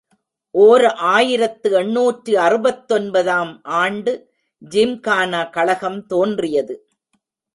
ஓர் ஆயிரத்து எண்ணூற்று அறுபத்தொன்பது ஆம் ஆண்டு ஜிம்கானா கழகம் தோன்றியது.